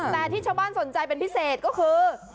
แต่ที่ชาวบ้านสนใจเป็นพิเศษก็คือ